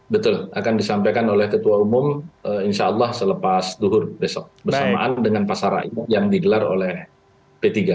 betul akan disampaikan oleh ketua umum insya allah selepas duhur besok bersamaan dengan pasar rakyat yang digelar oleh p tiga